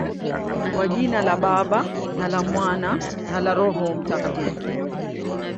Kwa jina la Baba, na la Mwana, na la Roho Mtakatifu.